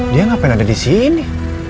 dia ngapain ada di sini